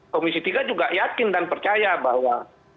komisi tiga juga yakin dan percaya bahwa